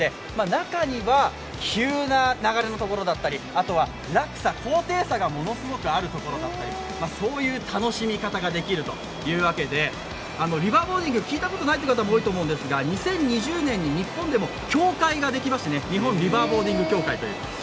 中には急な流れのところだったり、あとは落差、高低差がものすごくあるところだったりそういう楽しみ方ができるというわけで、リバーボーディング、聞いたことない人も多いと思うんですが２０２０年に日本でも協会ができまして、日本リバーボーディング協会という。